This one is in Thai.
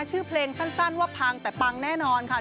ชื่อเพลงสั้นว่าพังแต่ปังแน่นอนค่ะ